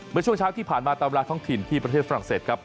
เมื่อช่วงเช้าที่ผ่านมาตามเวลาท้องถิ่นที่ประเทศฝรั่งเศสครับ